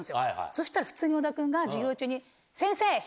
そしたら普通にオンダ君が授業中に。